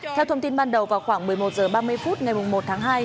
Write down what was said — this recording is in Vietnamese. theo thông tin ban đầu vào khoảng một mươi một h ba mươi phút ngày một tháng hai